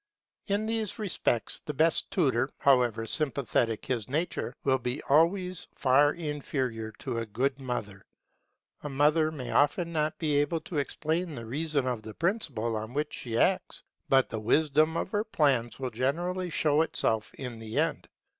In these respects the best tutor, however sympathetic his nature, will be always far inferior to a good mother. A mother may often not be able to explain the reason of the principle on which she acts, but the wisdom of her plans will generally show itself in the end.